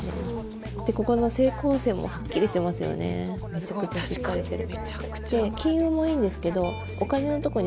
めちゃくちゃしっかりしてる。